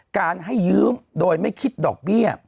การให้ยืมโดยไม่คิดดอกเบี้ย